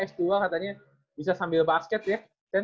s dua katanya bisa sambil basket ya